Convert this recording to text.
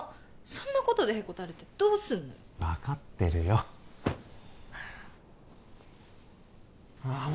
そんなことでへこたれてどうすんのよ分かってるよああ